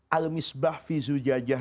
al misbah fizu jajah